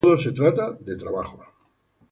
Todo se trata de trabajos.